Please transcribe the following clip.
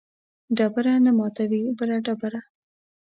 ډبره نه ماتوي بله ډبره